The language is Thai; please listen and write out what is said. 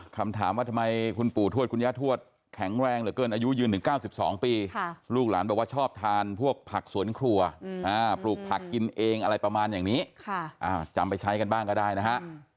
คำถามว่าทำไมคุณปู่ทวดคุณย่าทวดแข็งแรงเหลือเกินอายุยืนถึง๙๒ปีลูกหลานบอกว่าชอบทานพวกผักสวนครัวปลูกผักกินเองอะไรประมาณอย่างนี้จำไปใช้กันบ้างก็ได้นะฮะ